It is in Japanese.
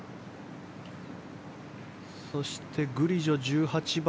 そして、グリジョの１８番。